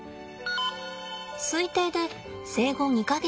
推定で生後２か月です。